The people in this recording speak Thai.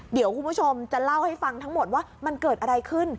เดี๋ยวคุณผู้ชมจะเล่าให้ฟังทั้งหมดว่ามันเกิดอะไรขึ้น